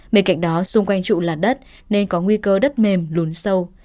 bên cạnh đó xung quanh trụ là đất nên có nguy cơ đất mềm lún sâu